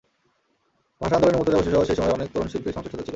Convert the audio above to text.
ভাষা আন্দোলনে মুর্তজা বশীরসহ সেই সময়ের অনেক তরুণ শিল্পীর সংশ্লিষ্টতা ছিল।